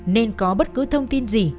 nên có bất cứ thông tin gì